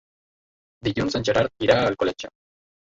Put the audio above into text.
Dilluns en Gerard irà a Alcoletge.